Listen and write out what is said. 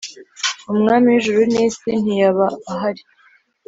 uMwami w ijuru n isi ntiyaba ahri